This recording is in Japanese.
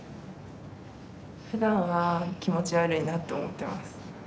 ふだんは気持ち悪いなと思ってます。